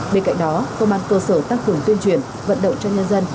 bên cạnh đó công an cơ sở tăng cường tuyên truyền vận động cho nhân dân